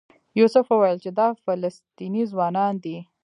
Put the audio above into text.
یوسف وویل چې دا فلسطینی ځوانان دي.